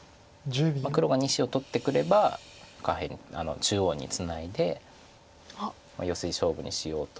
黒が２子を取ってくれば下辺中央にツナいでヨセ勝負にしようと。